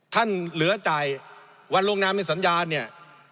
เหลือจ่ายวันลงนามในสัญญาเนี่ย